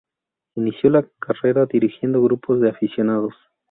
Inició la carrera dirigiendo grupos de aficionados.